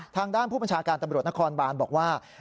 ทางด้านผู้บัญชาการตำรวจนครบานบอกว่า